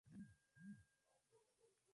שֶׁהֶֽחֱזַֽרְתָּ בִּי נִשְׁמָתִי בְחֶמְלָה.